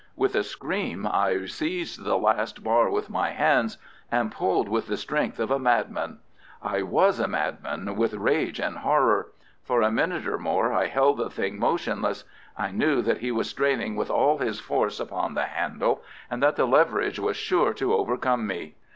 With a scream I seized the last bar with my hands and pulled with the strength of a madman. I was a madman with rage and horror. For a minute or more I held the thing motionless. I knew that he was straining with all his force upon the handle, and that the leverage was sure to overcome me.